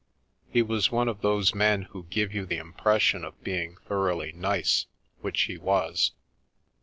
He was one of those men who give you the impression of being thoroughly " nice," which he was.